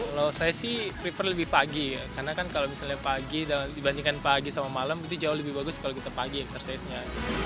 kalau saya sih prefer lebih pagi karena kan kalau misalnya pagi dibandingkan pagi sama malam itu jauh lebih bagus kalau kita pagi eksersisnya